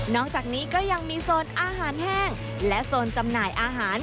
จากนี้ก็ยังมีโซนอาหารแห้งและโซนจำหน่ายอาหาร